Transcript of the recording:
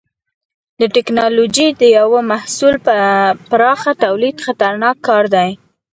د ټېکنالوجۍ د یوه محصول پراخه تولید خطرناک کار دی.